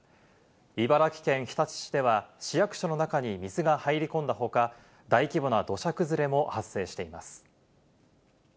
茨城県日立市では、市役所の中に水が入り込んだほか、大規模な土砂崩れも発生しています。